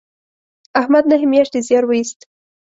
احمد نهه میاشتې زیار و ایست